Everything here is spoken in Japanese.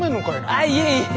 あいえいえ。